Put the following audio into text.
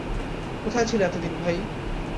কোথায় ছিলে এতদিন, ভাই?